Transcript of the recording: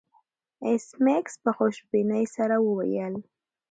ایس میکس په خوشبینۍ سره وویل